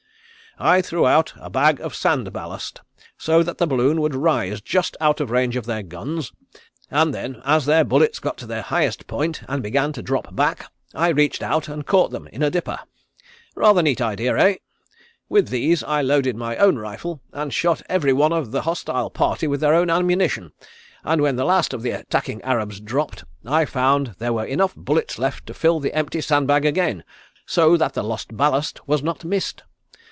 "I threw out a bag of sand ballast so that the balloon would rise just out of range of their guns, and then, as their bullets got to their highest point and began to drop back, I reached out and caught them in a dipper. Rather neat idea, eh? With these I loaded my own rifle and shot every one of the hostile party with their own ammunition, and when the last of the attacking Arabs dropped I found there were enough bullets left to fill the empty sand bag again, so that the lost ballast was not missed.